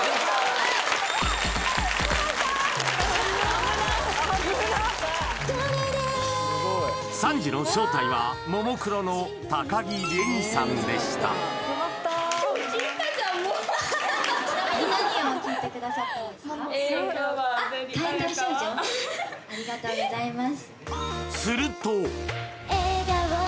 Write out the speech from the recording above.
危なっ危なっサンジの正体はももクロの高城れにさんでしたちなみにありがとうございます